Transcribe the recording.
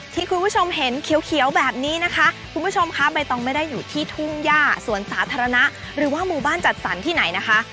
ที่คุณผู้ชมเห็นเขียวแบบนี้นะคะคุณผู้ชมค่ะใบตองไม่ได้อยู่ที่ทุ่งย่าสวนสาธารณะหรือว่าหมู่บ้านจัดสรรที่ไหนนะคะ